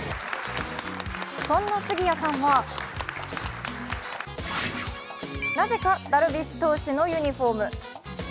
そんな杉谷さんはなぜかダルビッシュ投手のユニフォーム。